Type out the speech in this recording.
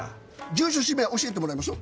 住所氏名教えてもらえます？